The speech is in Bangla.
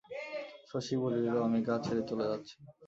শশী বলিল, আমি গা ছেড়ে চলে যাচ্ছি।